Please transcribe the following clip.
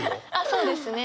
そうですね。